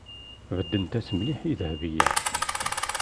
Beddent-as mliḥ i Dahbiya.